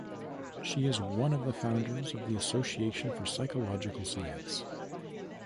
She is one of the founders of the Association for Psychological Science.